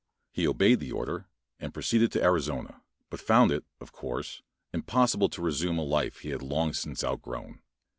He obeyed the order and proceeded to Arizona, but found it, of course, impossible to resume a life he had long since outgrown.